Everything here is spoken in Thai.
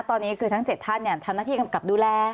ตอนนี้คือทั้ง๗ท่านทำหน้าที่กำกับดูแล